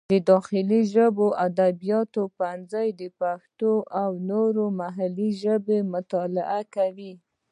د داخلي ژبو او ادبیاتو پوهنځی د پښتو او نورې محلي ژبې مطالعه کوي.